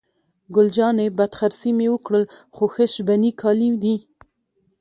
ګل جانې: بد خرڅي مې وکړل، خو ښه شبني کالي دي.